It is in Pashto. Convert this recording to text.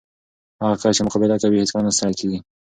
هغه کس چې مقابله کوي، هیڅکله نه ستړی کېږي.